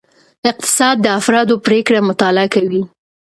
اقتصاد د افرادو پریکړې مطالعه کوي.